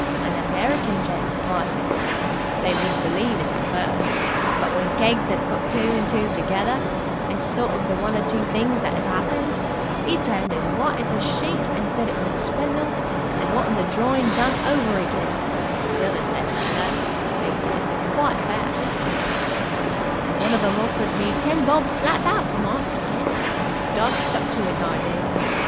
An American gent,' I says. They wouldn't believe it at first, but, when Keggs 'ad put two and two together, and thought of one or two things that 'ad 'appened, 'e turned as white as a sheet and said it was a swindle and wanted the drawin' done over again, but the others says 'No', they says, 'it's quite fair,' they says, and one of 'em offered me ten bob slap out for my ticket. But I stuck to it, I did.